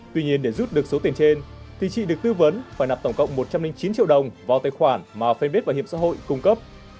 tuy nhiên để rút được số tiền trên thì chị được tư vấn phải nạp tổng cộng một trăm linh chín triệu đồng vào tài khoản mà fanpage bảo hiểm xã hội cung cấp